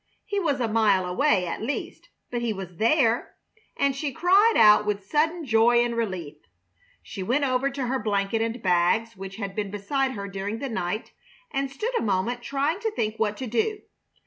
He was a mile away, at least, but he was there, and she cried out with sudden joy and relief. She went over to her blanket and bags, which had been beside her during the night, and stood a moment trying to think what to do.